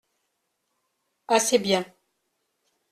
Assez bien.